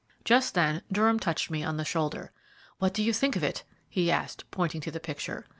Just then Durham touched me on the shoulder. "What do you think of it?" he asked, pointing to the picture.